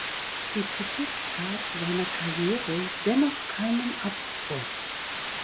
Die Kritik tat seiner Karriere dennoch keinen Abbruch.